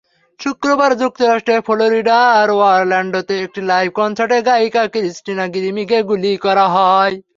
শুক্রবার যুক্তরাষ্ট্রের ফ্লোরিডার অরল্যান্ডোতে একটি লাইভ কনসার্টে গায়িকা ক্রিস্টিনা গ্রিমিকে গুলি করা হয়।